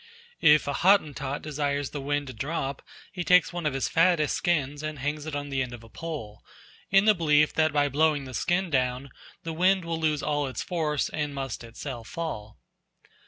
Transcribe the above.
If a Hottentot desires the wind to drop, he takes one of his fattest skins and hangs it on the end of a pole, in the belief that by blowing the skin down the wind will lose all its force and must itself fall.